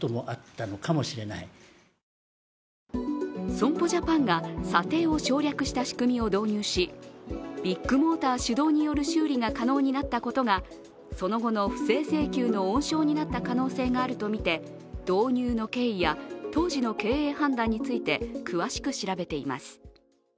損保ジャパンが査定を省略した仕組みを導入しビッグモーター主導による修理が可能になったことがその後の不正請求の温床になった可能性があるとみて、導入の経緯や当時の経営判断について詳しく調べています。